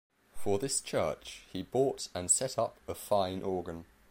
For this church he bought and set up a fine organ.